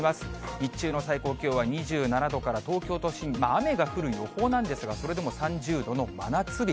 日中の最高気温は２７度から、東京都心、雨が降る予報なんですが、それでも３０度の真夏日。